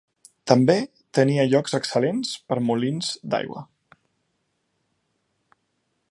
També tenia llocs excel·lents per molins d'aigua.